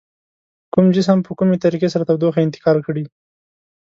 کوم جسم په کومې طریقې سره تودوخه انتقال کړي؟